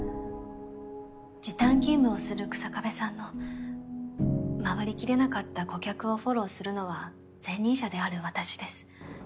時短勤務をする日下部さんの回りきれなかった顧客をフォローするのは前任者である私です。